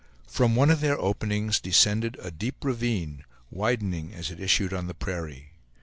From one of their openings descended a deep ravine, widening as it issued on the prairie.